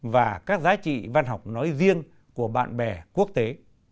và các giá trị văn học nói riêng của bạn bè quốc tế